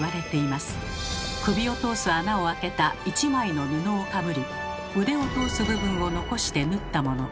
首を通す穴を開けた一枚の布をかぶり腕を通す部分を残して縫ったもの。